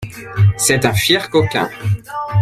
C’est un fier coquin !